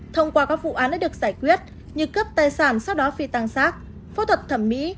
thông qua các vụ án đã được giải quyết như cướp tài sản sau đó phi tăng sát phẫu thuật thẩm mỹ